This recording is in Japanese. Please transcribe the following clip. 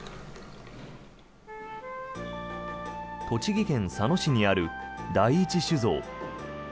栃木県佐野市にある第一酒造。